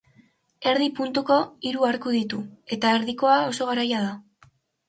Erdi puntuko hiru arku ditu eta erdikoa oso garaia da.